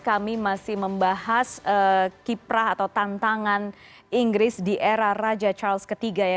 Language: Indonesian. kami masih membahas kiprah atau tantangan inggris di era raja charles iii ya